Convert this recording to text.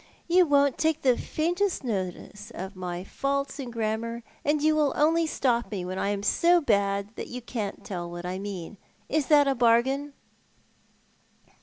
You won't take the faintest notice of my faults in grammar, and you will only stop me when I am so bad that you can't tell what I mean. Is that a bargain?"